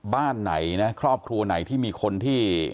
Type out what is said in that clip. บ้านไหนนะครอบครัวไหนที่มีคนที่